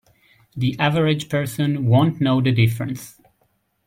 The average person won't know the difference.